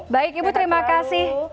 baik ibu terima kasih